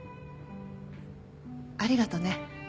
ありがとね。